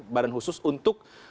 badan khusus untuk